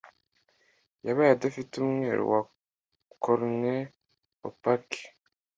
yabaye adafite umweru wa cornea opaque